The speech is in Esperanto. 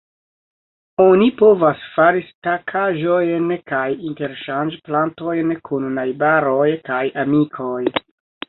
Oni povas fari stikaĵojn kaj interŝanĝi plantojn kun najbaroj kaj amikoj.